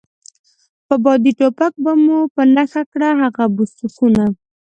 په بادي ټوپک به مو په نښه کړه، هغه بوس خونه.